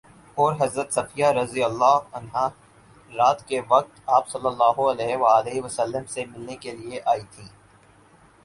اور حضرت صفیہ رضی اللہ عنہا رات کے وقت آپ صلی اللہ علیہ وسلم سے ملنے کے لیے آئی تھیں